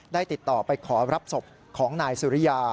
ติดต่อไปขอรับศพของนายสุริยา